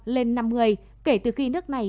lên năm mươi kể từ khi nước này